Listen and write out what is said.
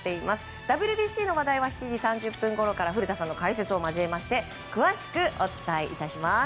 ＷＢＣの話題は７時３０分ごろから古田さんの解説を交えて詳しくお伝えします。